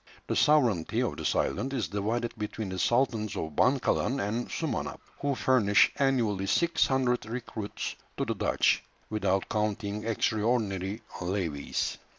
The sovereignty of this island is divided between the sultans of Bankalan and Sumanap, who furnish annually six hundred recruits to the Dutch, without counting extraordinary levies.